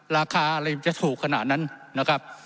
ราคาอะไรจะถูกขนาดนั้นนะครับ